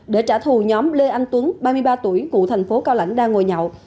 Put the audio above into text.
để trả thù nhóm lê anh tuấn ba mươi ba tuổi ngụ thành phố cao lãnh đang ngồi nhậu